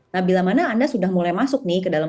nah bila mana anda sudah mulai masuk nih ke dalam